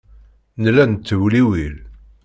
Nella nettewliwil.